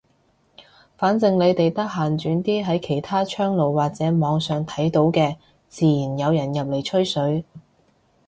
反正你哋得閒轉啲喺其他窗爐或者網上睇到嘅，自然有人入嚟吹水。